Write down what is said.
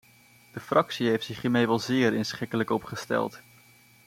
De fractie heeft zich hiermee wel zeer inschikkelijk opgesteld.